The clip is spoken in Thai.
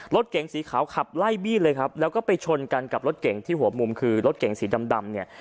รถเก๋งสีขาวขับไล่บี้เลยครับแล้วก็ไปชนกันกับรถเก่งที่หัวมุมคือรถเก่งสีดำดำเนี่ย